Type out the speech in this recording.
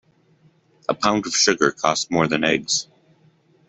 A pound of sugar costs more than eggs.